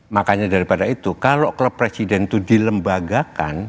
makanya daripada itu kalau klub presiden itu dilembagakan